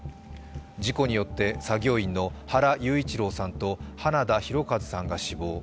事故によって作業員の原裕一郎さんと花田大和さんが死亡。